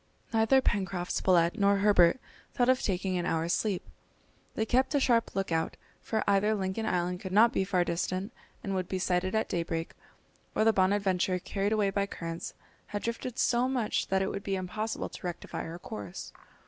Neither Pencroft, Spilett, nor Herbert thought of taking an hour's sleep. They kept a sharp look out, for either Lincoln Island could not be far distant and would be sighted at daybreak, or the Bonadventure, carried away by currents, had drifted so much that it would be impossible to rectify her course.